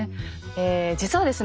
実はですね